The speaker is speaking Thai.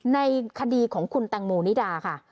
ในคดีของคุณแตงโมนิดาค่ะ